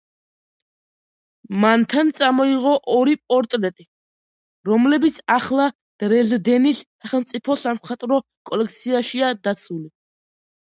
მან თან წამოიღო ორი პორტრეტი, რომლებიც ახლა დრეზდენის სახელმწიფო სამხატვრო კოლექციაშია დაცული.